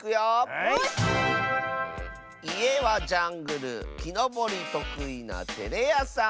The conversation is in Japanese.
「いえはジャングルきのぼりとくいなてれやさん」。